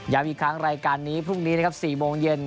ยังมีอีกครั้งรายการนี้พรุ่งนี้๔โมงเย็น